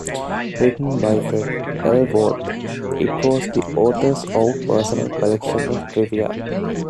Written by Fred L. Worth, it was the author's own personal collection of trivia.